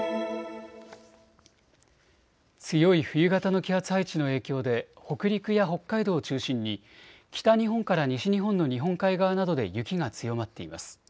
強い冬型の気圧配置の影響で北陸や北海道を中心に北日本から西日本の日本海側などで雪が強まっています。